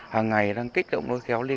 hoặc do một số đối tượng